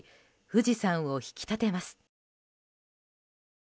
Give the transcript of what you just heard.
富士山を引き立てます。